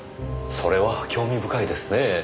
それは興味深いですね。